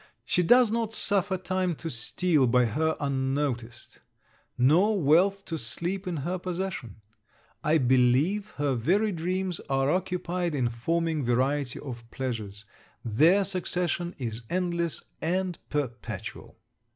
She does not suffer time to steal by her unnoticed; nor wealth to sleep in her possession. I believe her very dreams are occupied in forming variety of pleasures. Their succession is endless and perpetual.